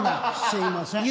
すいません。